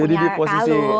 jadi di posisi